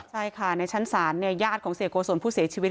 ใช่ค่ะในชั้นศาลเนี่ยญาติของเสียโกศลผู้เสียชีวิต